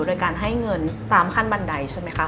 โดยการให้เงินตามขั้นบันไดใช่ไหมคะ